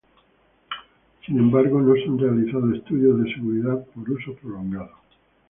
Sin embargo, no se han realizado estudios de seguridad por uso prolongado.